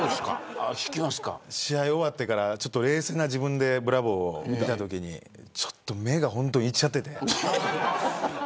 試合が終わってから冷静な自分でブラボーを見たときにちょっと目がいっちゃってて。